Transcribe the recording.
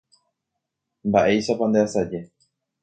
Mba'éichapa ndeasaje.